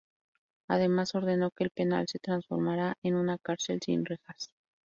Además ordenó que el penal se transformara en una cárcel sin rejas.